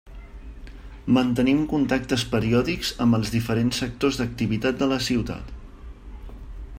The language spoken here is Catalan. Mantenim contactes periòdics amb els diferents sectors d'activitat de la ciutat.